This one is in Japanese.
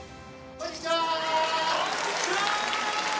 こんにちは！